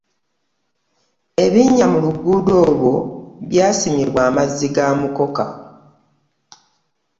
Ebinnya mu luguudo olwo by'asimibwa amazzi ga mukoka